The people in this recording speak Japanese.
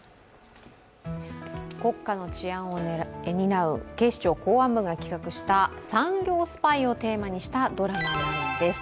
国家の治安を担う警視庁公安部が企画した産業スパイをテーマにしたドラマなんです。